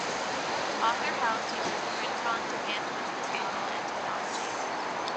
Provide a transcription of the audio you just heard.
AuthorHouse uses print-on-demand business model and technology.